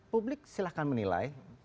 publik silahkan menilai